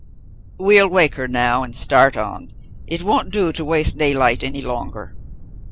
"We'll wake her now, and start on. It won't do to waste daylight any longer."